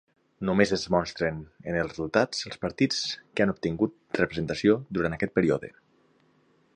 Només es mostren en els resultats els partits que han obtingut representació durant aquest període.